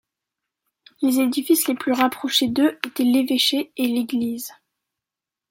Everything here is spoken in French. Les édifices les plus rapprochés d’eux étaient l’évêché et l’église.